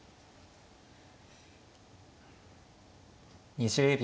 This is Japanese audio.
２０秒。